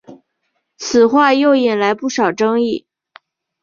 此话又引来不少争议。